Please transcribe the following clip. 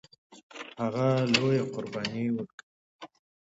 هغه لویه قرباني ورکوي.